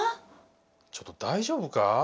ちょっと大丈夫か？